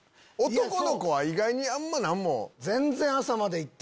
男の子は意外にあんま何も。